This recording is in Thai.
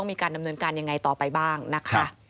มีการดำเนินการยังไงต่อไปบ้างนะคะ